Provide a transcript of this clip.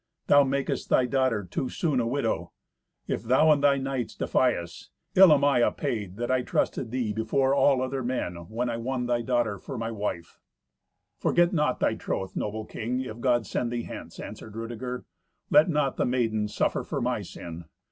Thou makest thy daughter too soon a widow. If thou and thy knights defy us, ill am I apayed, that I trusted thee before all other men, when I won thy daughter for my wife." "Forget not thy troth, noble king, if God send thee hence," answered Rudeger. "Let not the maiden suffer for my sin.